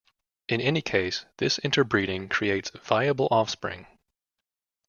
In any case this interbreeding creates viable offspring.